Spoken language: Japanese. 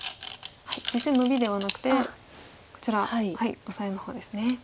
実戦ノビではなくてこちらオサエの方ですね。